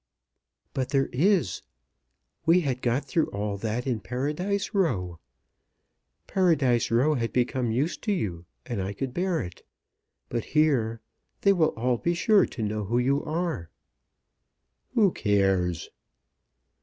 "But there is. We had got through all that in Paradise Row. Paradise Row had become used to you, and I could bear it. But here They will all be sure to know who you are." "Who cares?"